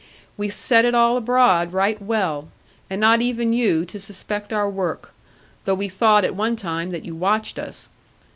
We set it all abroad, right well. And not even you to suspect our work; though we thought at one time that you watched us.